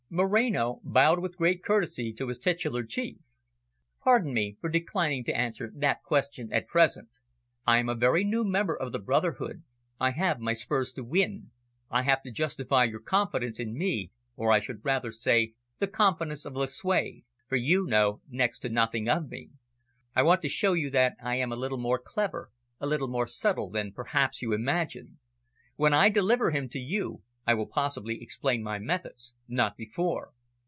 Moreno bowed with great courtesy to his titular Chief. "Pardon me for declining to answer that question at present. I am a very new member of the brotherhood, I have my spurs to win, I have to justify your confidence in me, or I should rather say the confidence of Lucue, for you know next to nothing of me. I want to show you that I am a little more clever, a little more subtle than perhaps you imagine. When I deliver him to you, I will possibly explain my methods, not before."